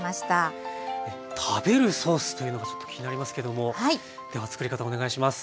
食べるソースというのがちょっと気になりますけどもではつくり方お願いします。